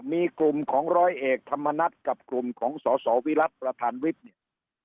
มีกลุ่มของรอยเอกทำนัทกับกลุ่มของสสวิรัฐประถานวิธย์